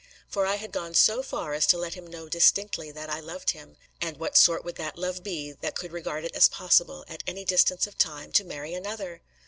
For I had gone so far as to let him know distinctly that I loved him; and what sort would that love be that could regard it as possible, at any distance of time, to marry another!